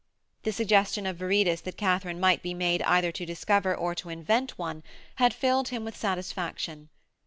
The suggestion of Viridus that Katharine might be made either to discover or to invent one had filled him with satisfaction.